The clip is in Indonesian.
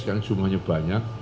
yang jumlahnya banyak